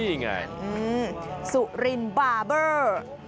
นี่ไงสุรินบาร์เบอร์